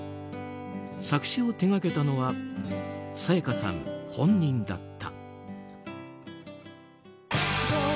作詞を手掛けたのは沙也加さん本人だった。